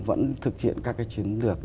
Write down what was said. vẫn thực hiện các cái chiến lược